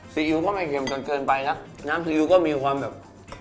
ซีอิ๊วก็ไม่เค็มจนเกินไปนะน้ำซีอิ๊วก็มีความแบบ